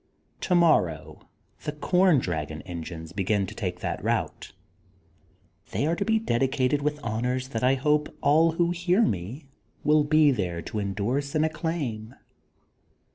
Tomorrow the com dragon engines begin to take that route. They are to be dedicated with honors that I hope all who hear me will be there to endorse and acclaim.